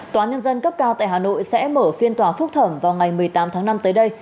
tòa nhân dân cấp cao tại hà nội sẽ mở phiên tòa phúc thẩm vào ngày một mươi tám tháng năm tới đây